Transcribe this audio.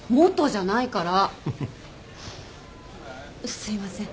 すいません。